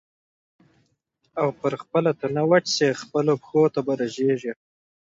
او پر خپله تنه وچ سې خپلو پښو ته به رژېږې